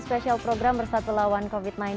special program bersatu melawan covid sembilan belas